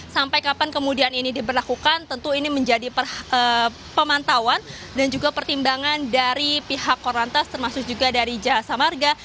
sampai kapan kemudian ini diberlakukan tentu ini menjadi pemantauan dan juga pertimbangan dari pihak korlantas termasuk juga dari jasa marga